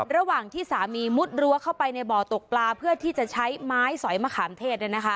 ระหว่างที่สามีมุดรั้วเข้าไปในบ่อตกปลาเพื่อที่จะใช้ไม้สอยมะขามเทศ